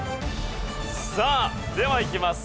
さあではいきます。